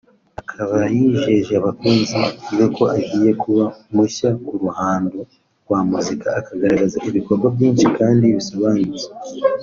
akaba yijeje abakunzi beko agiye kuba mushya ku ruhando rwa muzika akagaragaza ibikorwa byinshi kandi bisobanutse